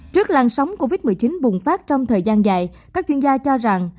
trước làn sóng covid một mươi chín bùng phát trong thời gian dài các chuyên gia cho rằng